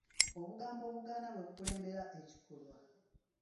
Obugambo obugaana bwe bukulembera ekikolwa.